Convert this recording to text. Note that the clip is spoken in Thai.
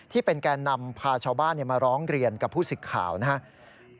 แกนนำพาชาวบ้านมาร้องเรียนกับผู้สิทธิ์ข่าวนะครับ